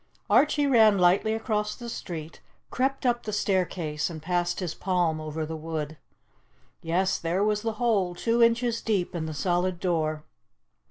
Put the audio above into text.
Archie ran lightly across the street, crept up the staircase, and passed his palm over the wood. Yes, there was the hole, two inches deep in the solid door.